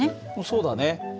そうだね。